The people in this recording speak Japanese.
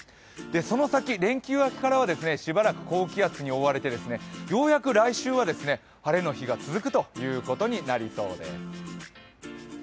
その先、連休明けからは、しばらく高気圧に覆われてようやく来週は晴れの日が続くということになりそうです。